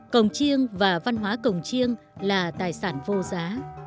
cổng chiêng và văn hóa cổng chiêng là tài sản vô giá